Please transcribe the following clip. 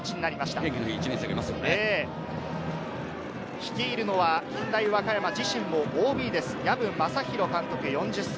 率いるのは近大和歌山、自身もＯＢです藪真啓監督、４０歳。